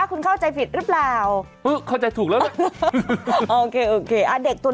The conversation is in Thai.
คุณเข้าใจผิดรึเปล่า